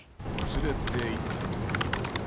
連れていってもよいが。